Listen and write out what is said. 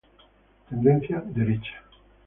Tendencia: derecha.